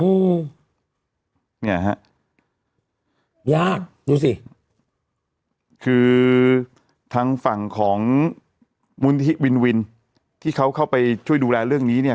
อืมเนี่ยฮะยากดูสิคือทางฝั่งของมูลที่วินวินที่เขาเข้าไปช่วยดูแลเรื่องนี้เนี่ย